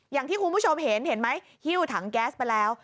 อย่างที่คุณผู้ชมเห็นเห็นไหมฮิ้วถังแก๊สไปแล้ว